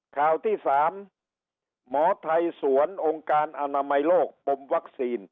ข่าวที่๓หมอไทยสวนองค์การอนามัยโลกปมวัคซีน